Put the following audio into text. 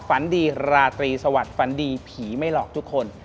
ฝันดีราตรีสวัสดิฝันดีผีไม่หลอกทุกคน